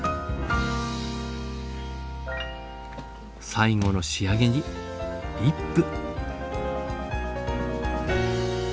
最後の仕上げにリップ。